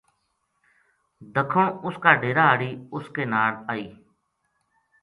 دَکھن اُس کا ڈیرا ہاڑی اُس کے ناڑ آئی